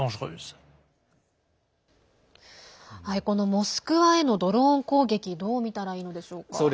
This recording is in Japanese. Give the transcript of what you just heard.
モスクワへのドローン攻撃どう見たらいいのでしょうか？